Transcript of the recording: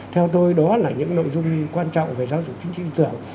theo tôi đó là những nội dung quan trọng về giáo dục chính trị tư tưởng